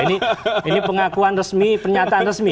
ini pengakuan resmi pernyataan resmi